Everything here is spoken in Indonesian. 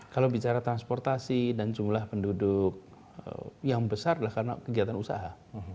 kalau bicara transportasi dan jumlah penduduk yang besar adalah karena kegiatan usaha